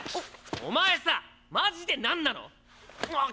お前さマジで何なの⁉んぁ！